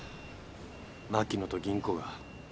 牧野と吟子が。